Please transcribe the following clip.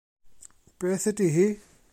Beth ydy hi?